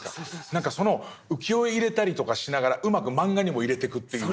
何かその浮世絵入れたりとかしながらうまくマンガにも入れてくっていう。